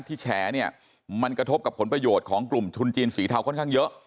แฉเนี่ยมันกระทบกับผลประโยชน์ของกลุ่มทุนจีนสีเทาค่อนข้างเยอะ